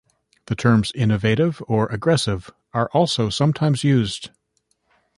The terms "innovative" or "aggressive" are also sometimes used.